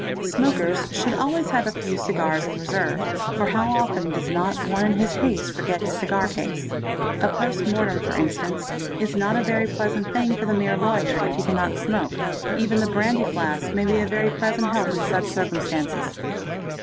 : Smokers should always have a few cigars in reserve, for how often does not one in his haste forget his cigar case. A post mortem, for instance, is not a very pleasant thing for the mere lawyer, if he cannot ' noke; even the brandy flask may be a very present help in such circumstances.